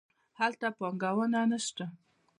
هلته پانګونه نه شته.